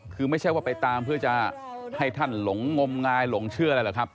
คือไม่ใช่ว่าไปตามเพื่อจะให้ท่านหลงงมงายหลงเชื่ออะไรหรอกครับ